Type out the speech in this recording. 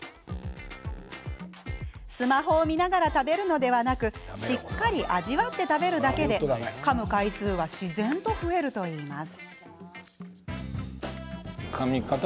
スマホを見ながら食べるのではなくしっかり味わって食べるだけでかむ回数は自然と増えるといいます。